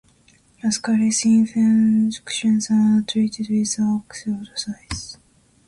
"Ascaris" infections are treated with ascaricides.